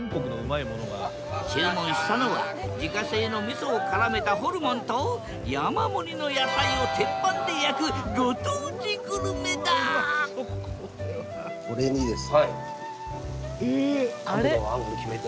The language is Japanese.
注文したのは自家製のみそをからめたホルモンと山盛りの野菜を鉄板で焼くこれにですね。